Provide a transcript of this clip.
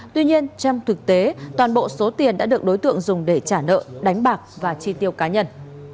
tuy nhiên trong thực tế toàn bộ số tiền đã được đối tượng dùng để trả nợ đánh bạc và chi tiêu cá nhân